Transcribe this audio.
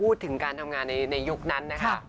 พูดถึงการทำงานในยุคนั้นนะคะ